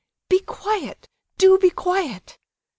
"Be quiet, do be quiet!"